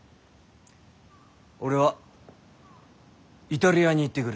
俺はイタリアに行ってくる。